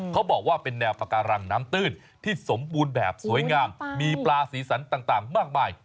เขาบอกว่าเป็นแนวปาการังน้ำตื้นที่สมบูรณ์แบบสวยงามมีปลาสีสันต่างมากมาย